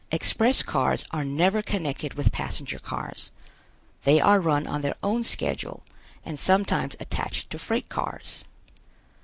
Express cars are never connected with passengers cars. They are run on their own schedule and sometimes attached to freight cars.